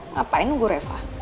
ngapain nunggu reva